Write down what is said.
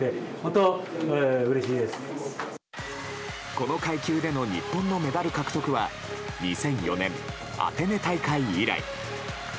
この階級での日本のメダル獲得は２００４年、アテネ大会以来。